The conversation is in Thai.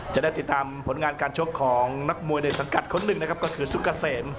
จะได้ติดตามผลงานการชกของนักมวยในสังกัดคนหนึ่งนะครับก็คือสุกเกษม